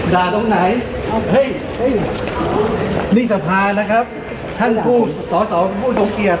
ตรงไหนเฮ้ยนี่สภานะครับท่านผู้สอสอผู้ทรงเกียจ